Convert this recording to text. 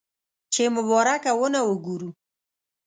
چې مبارکه ونه وګورو.